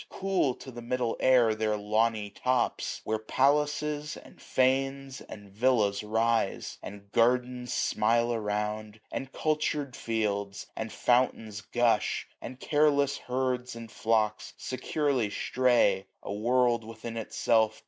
Cool to the middle air, their lawny tops ; Where palaces, and fanes, and villas rise ; And gardens smile around, and cultured fields ; 770 And fountains gush ; and careless herds and flocks Securely stray ; a world within itself.